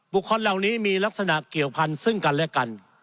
คนเหล่านี้มีลักษณะเกี่ยวพันธุ์ซึ่งกันและกัน